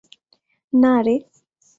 না, রে।